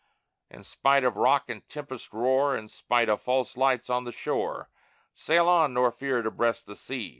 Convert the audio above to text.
In spite of rock and tempest's roar, In spite of false lights on the shore, Sail on, nor fear to breast the sea!